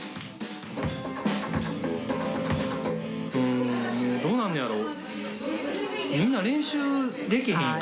んもうどうなんねやろ。